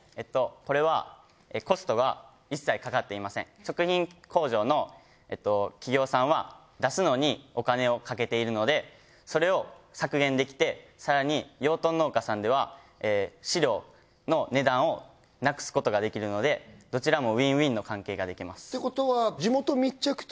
これは食品工場の企業さんは出すのにお金をかけているのでそれを削減できて更に養豚農家さんでは飼料の値段をなくすことができるのでどちらもウィンウィンの関係ができます。